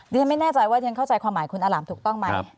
ด้วยไม่แน่ใจว่าเดี๋ยวเข้าใจความหมายคุณอร่ำถูกต้องไหม